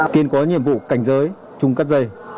kiên có nhiệm vụ cảnh giới chung cắt dây